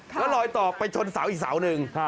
แล้วลอยต่อไปชนเสาอีกเสาหนึ่ง